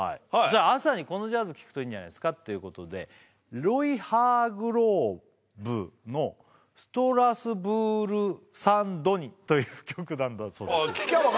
朝にこのジャズ聴くといいんじゃないですかっていうことでロイ・ハーグローヴの「ストラスブール／サン・ドニ」という曲なんだそうです